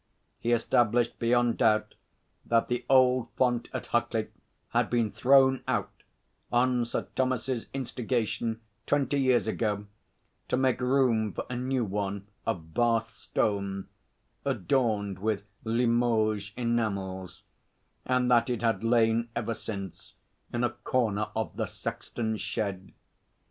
He established beyond doubt that the old font at Huckley had been thrown out, on Sir Thomas's instigation, twenty years ago, to make room for a new one of Bath stone adorned with Limoges enamels; and that it had lain ever since in a corner of the sexton's shed.